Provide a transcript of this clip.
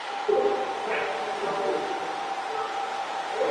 西晋曾设过陇西国。